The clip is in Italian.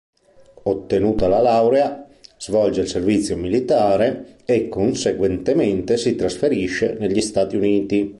Ottenuta la laurea, svolge il servizio militare, e conseguentemente si trasferisce negli Stati Uniti.